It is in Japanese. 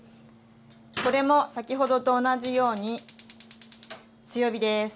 これも先ほどと同じように強火です。